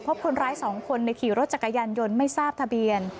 พบคนร้าย๒คนในขี่รถจักรยานยนต์ไม่ทราบทะเบียน